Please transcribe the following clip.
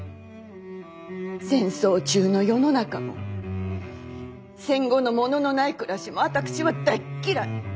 戦争中の世の中も戦後の物のない暮らしも私は大っ嫌い！